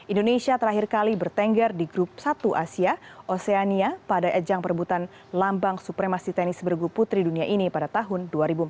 indonesia terakhir kali bertengger di grup satu asia oceania pada ajang perebutan lambang supremasi tenis bergu putri dunia ini pada tahun dua ribu empat belas